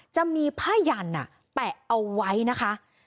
จะมีผ้ายันแปะเอาไว้นะคะ